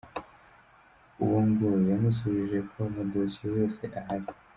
Uwo ngo yamusubije ko amadosiye yose ahari.